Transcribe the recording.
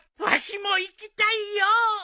わしも行きたいよ。